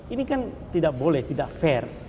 ini kan tidak boleh tidak fair